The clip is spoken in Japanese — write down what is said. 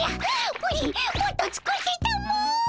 プリンもっと作ってたも！